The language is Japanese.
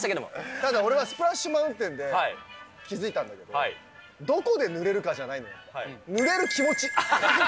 ただ、俺はスプラッシュマウンテンで気付いたんだけど、どこでぬれるかじゃないのよ。